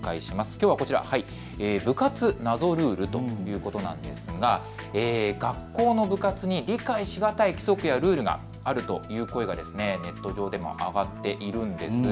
きょうはこちら、部活、謎ルールということなんですが学校の部活に理解しがたい規則やルールがあるという声がネットでも上がっているんです。